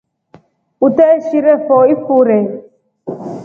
Uteeshirefo ifure.